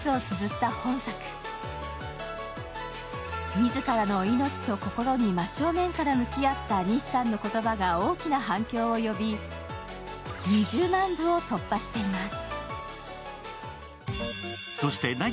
自らの命と心に真正面から向き合った西さんの言葉が大きな反響を呼び２０万部を突破しています。